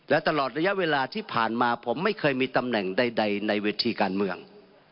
และตลอดระยะเวลาที่ผ่านมาผมไม่เคยมีตำแหน่งใดในเวทีการเมือง